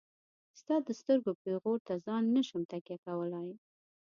ستا د سترګو پيغور ته ځان نشم تکيه کولاي.